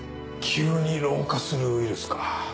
急に老化するウイルスか。